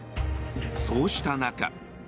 そうした中。